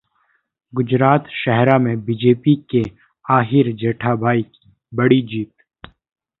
गुजरात: शेहरा में बीजेपी के आहीर जेठाभाई की बड़ी जीत